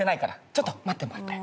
ちょっと待って待って。